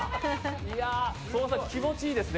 相馬さん、今の気持ちいいですね。